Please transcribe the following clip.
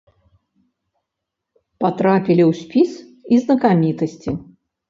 Патрапілі ў спіс і знакамітасці.